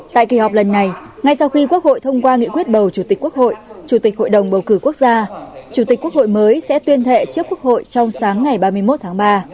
tại kỳ họp lần này ngay sau khi quốc hội thông qua nghị quyết bầu chủ tịch quốc hội chủ tịch hội đồng bầu cử quốc gia chủ tịch quốc hội mới sẽ tuyên thệ trước quốc hội trong sáng ngày ba mươi một tháng ba